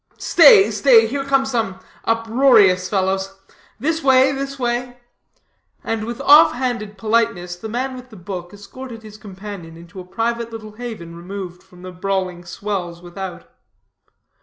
"Stay, stay, here come some uproarious fellows this way, this way." And with off handed politeness the man with the book escorted his companion into a private little haven removed from the brawling swells without.